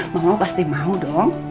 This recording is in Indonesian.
mama pasti mau dong